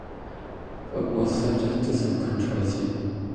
But was subject to some controversy.